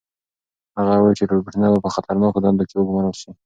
هغه وویل چې روبوټونه به په خطرناکو دندو کې وګمارل شي.